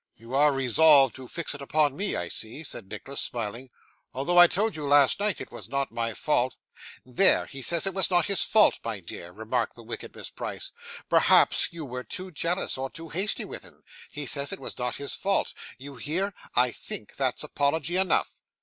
'You are resolved to fix it upon me, I see,' said Nicholas, smiling, 'although I told you, last night, it was not my fault.' 'There; he says it was not his fault, my dear,' remarked the wicked Miss Price. 'Perhaps you were too jealous, or too hasty with him? He says it was not his fault. You hear; I think that's apology enough.